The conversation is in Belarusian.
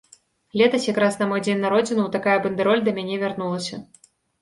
Летась якраз на мой дзень народзінаў такая бандэроль да мяне вярнулася.